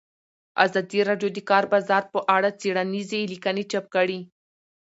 ازادي راډیو د د کار بازار په اړه څېړنیزې لیکنې چاپ کړي.